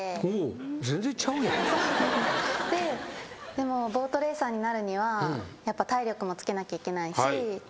でもボートレーサーになるには体力もつけなきゃいけないしと思って。